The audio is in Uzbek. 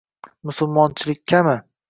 Musulmonchilikkami?